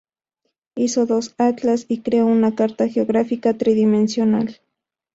Hizo dos atlas, y creó una carta geográfica tridimensional.